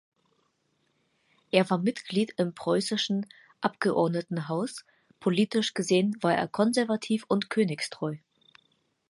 Er war Mitglied im Preußischen Abgeordnetenhaus; politisch gesehen war er konservativ und königstreu.